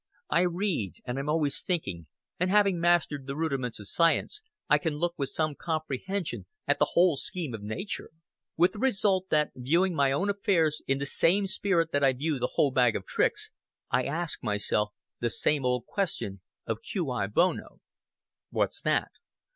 I read, and I'm always thinking and having mastered the rudiments of science, I can look with some comprehension at the whole scheme of nature. With the result that, viewing my own affairs in the same spirit that I view the whole bag of tricks, I ask myself that same old question of Q. I. Bono." "What's that?"